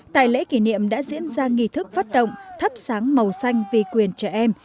tại lễ kỷ niệm đã diễn ra nghi thức phát động thắp sáng màu xanh vì quyền trẻ em